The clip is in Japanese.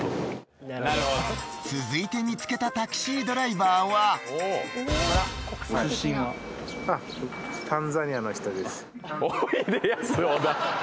続いて見つけたタクシードライバーは「おいでやす小田」